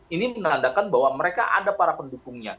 ini menandakan bahwa mereka ada para pendukungnya